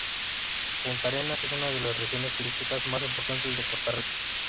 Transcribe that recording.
Puntarenas es una de las regiones turísticas más importantes de Costa Rica.